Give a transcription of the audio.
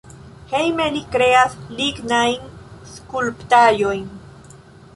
Hejme li kreas lignajn skulptaĵojn.